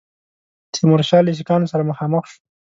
تیمورشاه له سیکهانو سره مخامخ شو.